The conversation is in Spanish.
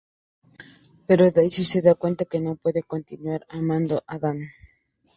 Pero Daisy se da cuenta que no puede continuar amando a Dan.